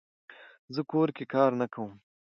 زه کور کې کار نه کووم